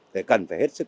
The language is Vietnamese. thì cần phải hết sống